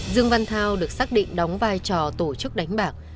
dương văn thao được xác định đóng vai trò tổ chức đánh bạc